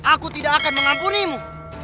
aku tidak akan mengampunimu